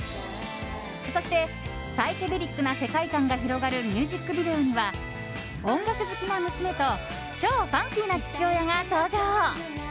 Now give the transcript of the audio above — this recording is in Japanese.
そして、サイケデリックな世界観が広がるミュージックビデオには音楽好きな娘と超ファンキーな父親が登場。